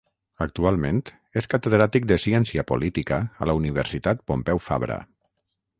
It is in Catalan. Actualment és catedràtic de ciència política a la Universitat Pompeu Fabra.